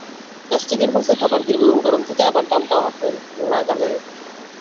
প্লাস্টিকের বক্সে খাবার দীর্ঘক্ষণ গরম থাকে আবার দামটাও থাকে হাতের নাগালে।